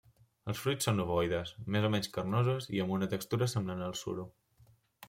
Els fruits són ovoides, més o menys carnosos i amb una textura semblant al suro.